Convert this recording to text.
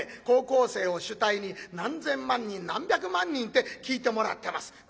高校生を主体に何千万人何百万人って聴いてもらってます。